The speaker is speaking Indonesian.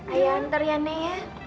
ayah hantar ya nek ya